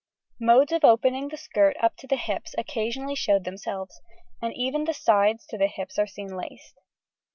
] Modes of opening the skirt up to the hips occasionally showed themselves, and even the sides to the hips are seen laced.